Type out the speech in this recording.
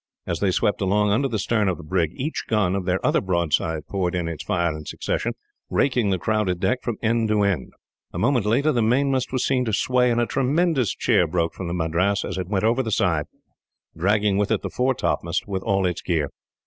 As they swept along under the stern of the brig, each gun of their other broadside poured in its fire in succession, raking the crowded deck from end to end. A moment later, the mainmast was seen to sway, and a tremendous cheer broke from the Madras as it went over the side, dragging with it the foretopmast, with all its gear.